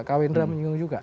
kawendra menyinggung juga